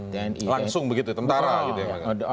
langsung begitu tentara gitu ya pak